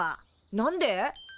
何で？